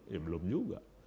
ya belum juga